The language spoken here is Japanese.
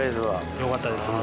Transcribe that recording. よかったです。